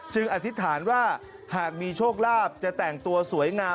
อธิษฐานว่าหากมีโชคลาภจะแต่งตัวสวยงาม